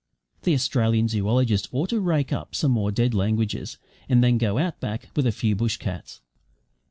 The Australian zoologist ought to rake up some more dead languages, and then go Out Back with a few bush cats.